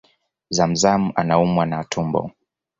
ZamZam anaumwa na tumbo